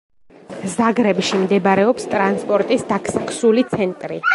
ზაგრებში მდებარეობს ტრანსპორტის დაქსაქსული ცენტრი.